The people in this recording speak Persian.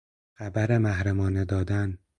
خبر محرمانه دادن